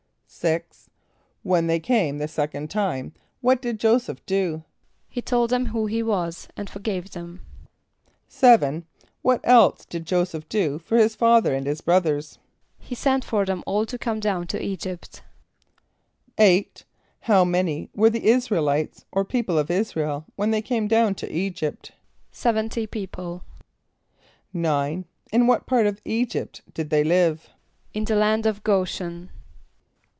= =6.= When they came the second time what did J[=o]´[s+]eph do? =He told them who he was, and forgave them.= =7.= What else did J[=o]´[s+]eph do for his father and his brothers? =He sent for them all to come down to [=E]´[.g][)y]pt.= =8.= How many were the [)I][s+]´ra el [=i]tes or people of [)I][s+]´ra el, when they came down to [=E]´[.g][)y]pt? =Seventy people.= =9.= In what part of [=E]´[.g][)y]pt did they live? =In the land of G[=o]´shen.